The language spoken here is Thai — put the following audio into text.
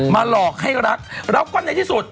มาหลอกให้รักรักกว่าในที่สุด